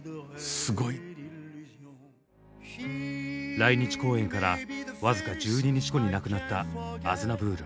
来日公演から僅か１２日後に亡くなったアズナヴール。